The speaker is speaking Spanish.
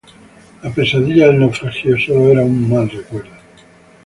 La pesadilla del naufragio sólo era un mal recuerdo.